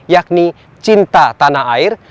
yakni cinta tanah air